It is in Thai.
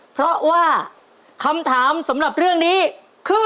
เพราะว่าคำถามสำหรับเรื่องนี้คือ